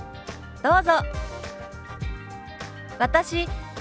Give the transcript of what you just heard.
どうぞ。